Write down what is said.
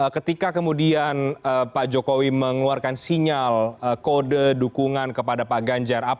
ketika kemudian pak jokowi mengeluarkan sinyal kode dukungan kepada pak ganjar